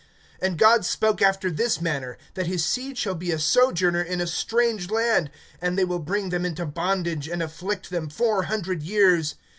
(6)And God spoke after this manner, that his seed shall be a sojourner in a strange land, and they will bring them into bondage, and afflict them four hundred years.